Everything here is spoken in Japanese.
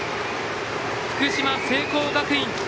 福島、聖光学院。